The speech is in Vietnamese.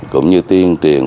cũng như tiên triền